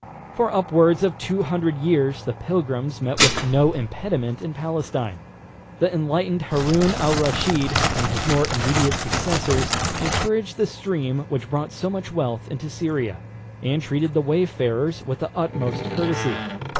For upwards of two hundred years the pilgrims met with no impediment in Palestine. The enlightened Haroun Al Reschid, and his more immediate successors, encouraged the stream which brought so much wealth into Syria, and treated the wayfarers with the utmost courtesy.